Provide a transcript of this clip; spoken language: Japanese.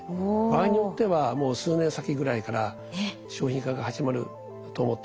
場合によってはもう数年先ぐらいから商品化が始まると思ってます。